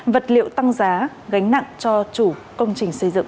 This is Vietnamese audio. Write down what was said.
vật liệu tăng giá gánh nặng cho chủ công trình xây dựng